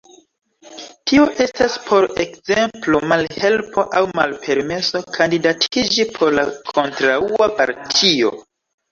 Tio estas por ekzemplo malhelpo aŭ malpermeso kandidatiĝi por la kontraŭa partio.